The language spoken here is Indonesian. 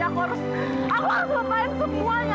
aku harus aku harus lupain semuanya